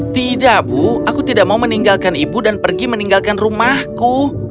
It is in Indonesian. tidak bu aku tidak mau meninggalkan ibu dan pergi meninggalkan rumahku